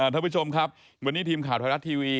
ท่านผู้ชมครับวันนี้ทีมข่าวไทยรัฐทีวี